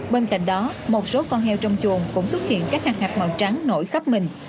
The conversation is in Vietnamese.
bên cạnh đó một số con heo trong chuồng cũng xuất hiện các hạt màu trắng nổi khắp mình